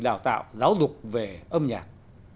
đào tạo giáo dục về âm nhạc